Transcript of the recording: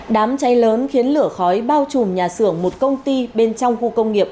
đám cháy lớn khiến lửa khói bao trùm nhà xưởng một công ty bên trong khu công nghiệp